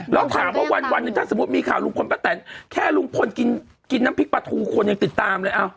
แล้วถามว่าวันหนึ่งถ้าสมมุติมีข่าวลุงพลป้าแตนแค่ลุงพลกินน้ำพริกปลาทูคนยังติดตามเลย